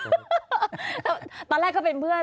ตอนแรกก็เป็นเพื่อน